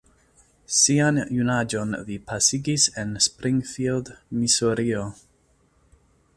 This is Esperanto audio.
Sian junaĝon li pasigis en Springfield, Misurio.